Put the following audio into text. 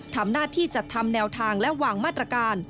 ทำหน้าที่จัดทำแนวทางและวางมาตรการ